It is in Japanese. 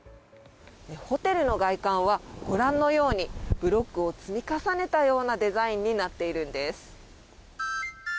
ホテルの外観はご覧のようにブロックを積み重ねたようなデザインになっているんです。